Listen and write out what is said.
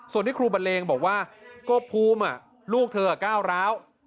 ส่วนที่ครูบันเลงบอกว่าก็ภูมิลูกเธอก้าวร้าว